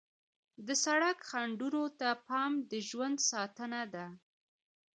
د سړک خنډونو ته پام د ژوند ساتنه ده.